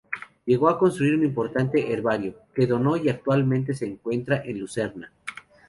Llegó a constituir un importante herbario, que donó y actualmente se encuentra en Lucerna.